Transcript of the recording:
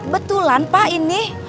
betulan pak ini